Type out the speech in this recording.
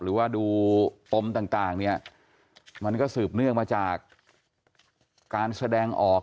หรือว่าดูปมต่างเนี่ยมันก็สืบเนื่องมาจากการแสดงออก